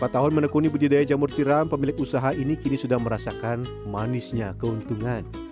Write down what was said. empat tahun menekuni budidaya jamur tiram pemilik usaha ini kini sudah merasakan manisnya keuntungan